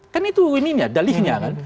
kan itu dalihnya kan